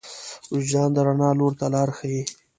وجدان د رڼا لور ته لار ښيي.